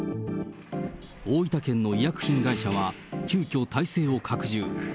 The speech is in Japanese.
大分県の医薬品会社は急きょ、体制を拡充。